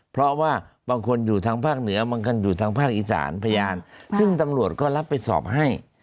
เพราะว่าบางคนอยู่ทางภาคเหนือบางคนอยู่ทางภาคอีสานพยานซึ่งตำรวจก็รับไปสอบให้